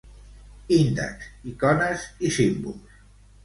Índex, icones i símbols.